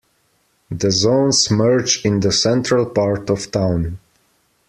The zones merge in the central part of town.